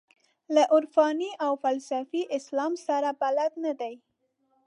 له عرفاني او فلسفي اسلام سره بلد نه دي.